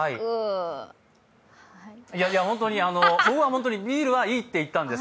本当に、ビールはいいって言ったんです。